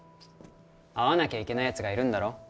会わなきゃいけない奴がいるんだろ？